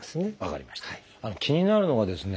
気になるのがですね